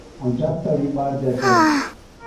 ائُون جاکَتي بِي ٻاڙجي ڇَي